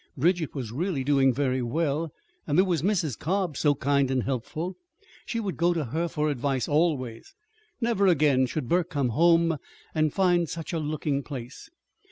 Bridget was really doing very well; and there was Mrs. Cobb, so kind and helpful. She would go to her for advice always. Never again should Burke come home and find such a looking place.